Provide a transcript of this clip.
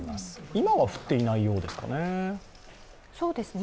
今は降っていないようですかね。